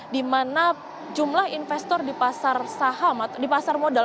dimana jumlah investor di pasar modal